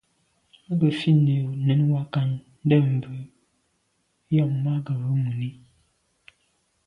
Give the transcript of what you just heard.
Mə́ gə̀ fít nə̀ nɛ̌n wákà ndɛ̂mbə̄ yɑ̀mə́ má gə̀ rə̌ mòní.